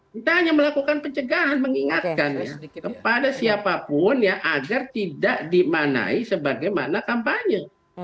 kita hanya melakukan pencegahan mengingatkan kepada siapapun ya agar tidak dimanai sebagaimana kampanye